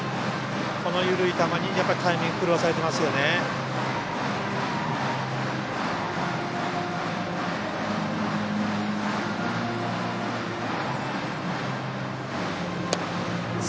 この緩い球にタイミング狂わされてますよね。